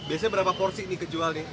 biasanya berapa porsi ini kejual nih